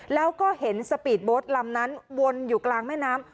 แล้วก็เห็นสปีดโบสต์ลำนั้นวนอยู่กลางแม่น้ำ